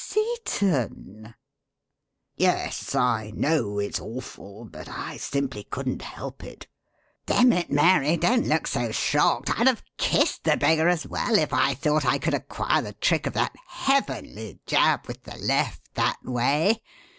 "Seton!" "Yes I know it's awful, but I simply couldn't help it. Demmit it, Mary, don't look so shocked I'd have kissed the beggar as well, if I thought I could acquire the trick of that heavenly 'jab with the left' that way.